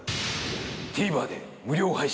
Ｔｖｅｒで無料配信。